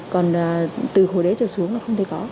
còn từ khối đế trở xuống là không thể có